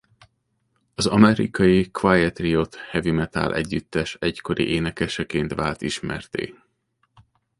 Az amerikai Quiet Riot heavy metal együttes egykori énekeseként vált ismertté.